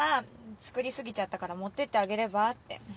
作り過ぎちゃったから持ってってあげればって。